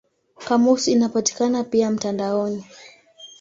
Kamusi inapatikana pia mtandaoni.